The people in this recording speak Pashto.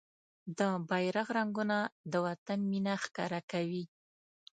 د بېرغ رنګونه د وطن مينه ښکاره کوي.